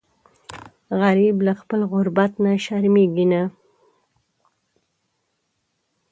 غریب له خپل غربت نه شرمیږي نه